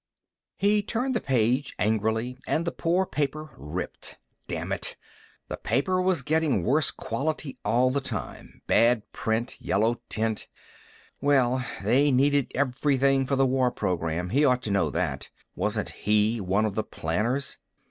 He turned the page angrily and the poor paper ripped. Damn it, the paper was getting worse quality all the time, bad print, yellow tint Well, they needed everything for the war program. He ought to know that. Wasn't he one of the planners?